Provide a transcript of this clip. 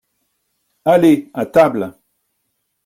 Aller à table.